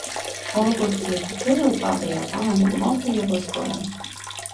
Հաւու կուրծքը ձգել, որ պաղի, ապա հանել մորթը եւ ոսկորը։